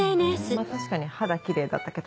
まぁ確かに肌キレイだったけど。